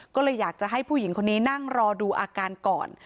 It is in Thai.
ก็เลยอยากจะให้ผู้หญิงคนนี้นั่งรอดูอาการก่อน